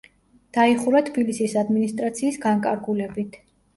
დაიხურა თბილისის ადმინისტრაციის განკარგულებით.